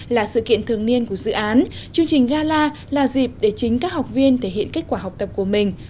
là sự kiện thường niên của dự án chương trình gala là dịp để chính các học viên thể hiện kết quả học tập của mình